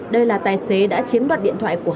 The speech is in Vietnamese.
đây là tài xế đã chiếm đoạt điện thoại của hai du khách